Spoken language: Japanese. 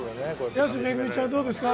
安めぐみちゃん、どうですか？